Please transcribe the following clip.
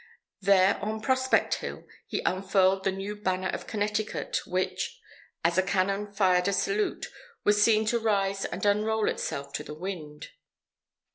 There on Prospect Hill he unfurled the new Banner of Connecticut, which, as a cannon fired a salute, was seen to rise and unroll itself to the wind.